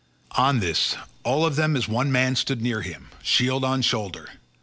On this, all of them as one man stood near him, shield on shoulder.